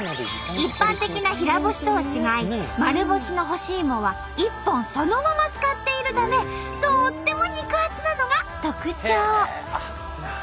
一般的な平干しとは違い丸干しの干しいもは一本そのまま使っているためとっても肉厚なのが特徴。